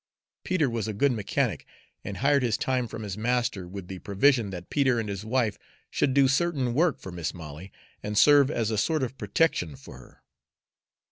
Peter was a good mechanic, and hired his time from his master with the provision that Peter and his wife should do certain work for Mis' Molly and serve as a sort of protection for her.